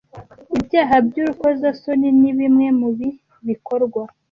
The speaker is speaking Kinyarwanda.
Ibyaha by urukozasoni nibi mwe mubi bikorwa